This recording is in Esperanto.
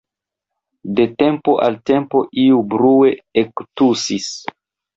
De tempo al tempo iu brue ektusis.